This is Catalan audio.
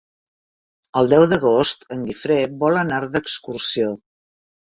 El deu d'agost en Guifré vol anar d'excursió.